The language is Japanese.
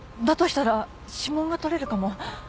したら指紋が採れるかも。